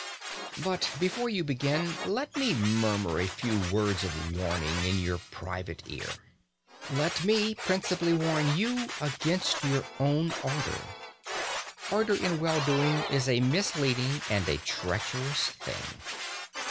But before you begin, let me murmur a few words of warning in your private ear. Let me principally warn you against your own ardour. Ardour in well doing is a misleading and a treacherous thing.